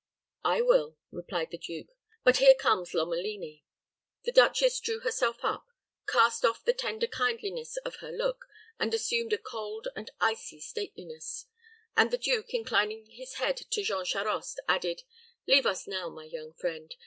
"I will," replied the duke. "But here comes Lomelini." The duchess drew herself up, cast off the tender kindliness of her look, and assumed a cold and icy stateliness; and the duke, inclining his head to Jean Charost, added, "Leave us now, my young friend.